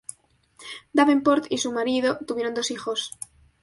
Davenport y su marido tuvieron dos hijos.